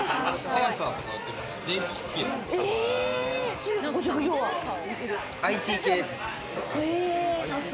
センサーとか売ってます。